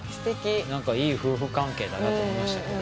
何かいい夫婦関係だなと思いましたけど